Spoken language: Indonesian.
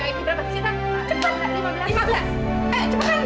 eh cepetan dong jalan